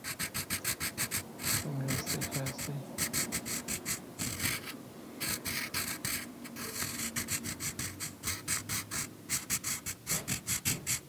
The second mechanism is based on both client and server trusting a Kerberos server.